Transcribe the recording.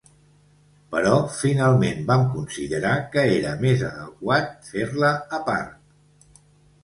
Però finalment vam considerar que era més adequat fer-la a part.